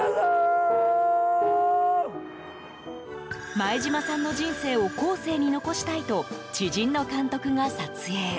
前島さんの人生を後世に残したいと知人の監督が撮影。